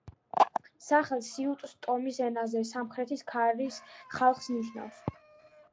სახელი სიუს ტომის ენაზე „სამხრეთის ქარის ხალხს“ ნიშნავს.